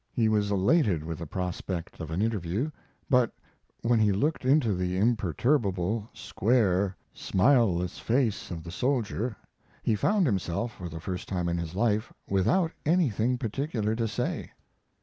He was elated with the prospect of an interview; but when he looked into the imperturbable, square, smileless face of the soldier he found himself, for the first time in his life, without anything particular to say.